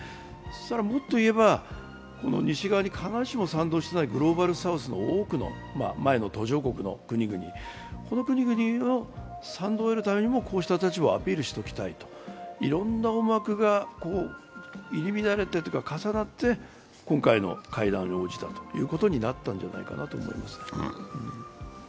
もっといえば、西側に必ずしも賛同していないグローバルサウスの多くの、前の途上国の国々、この国々の賛同を得るためにもこうした立場をアピールしておきたい、いろんな思惑が入り乱れというか、重なって今回の会談に応じたということになったんじゃないかなと思います。